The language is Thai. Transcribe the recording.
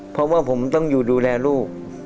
เพราะว่าผมต้องอยู่ดูแลลูก